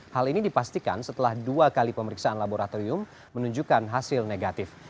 hal ini dipastikan setelah dua kali pemeriksaan laboratorium menunjukkan hasil negatif